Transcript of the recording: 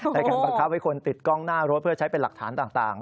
ในการบังคับให้คนติดกล้องหน้ารถเพื่อใช้เป็นหลักฐานต่าง